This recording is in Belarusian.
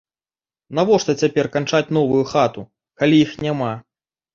Навошта цяпер канчаць новую хату, калі іх няма.